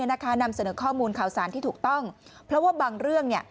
นำเสนอข้อมูลข่าวสารที่ถูกต้องเพราะว่าบางเรื่อง